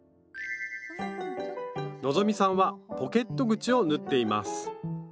希さんはポケット口を縫っています